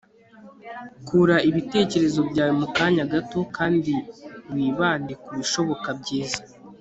kura ibitekerezo byawe mu kanya gato, kandi wibande kubishoboka byiza